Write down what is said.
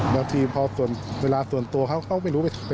บางทีเวลาส่วนตัวเขาก็ไม่รู้ไปทำอะไร